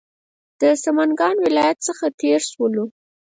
د سمنګانو ولایت څخه تېر شولو.